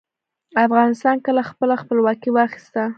افغانستان کله خپله خپلواکي واخیسته؟